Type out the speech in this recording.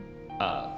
ああ。